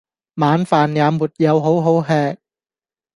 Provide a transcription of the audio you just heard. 晚飯也沒有好好吃！